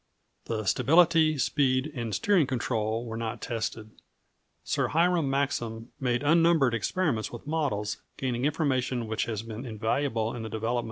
The stability, speed, and steering control were not tested. Sir Hiram Maxim made unnumbered experiments with models, gaining information which has been invaluable in the development of the aeroplane.